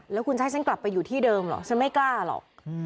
แล้วคุณจะให้ฉันกลับไปอยู่ที่เดิมเหรอฉันไม่กล้าหรอก